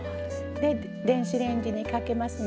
で電子レンジにかけます。